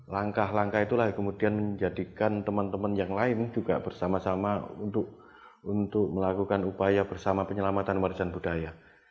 langkah langkah itulah yang kemudian menjadikan teman teman yang lain juga bersama sama untuk melakukan upaya bersama penyelamatan warisan budaya